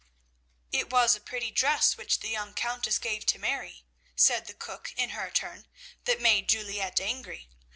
"'It was a pretty dress which the young Countess gave to Mary,' said the cook in her turn, 'that made Juliette angry.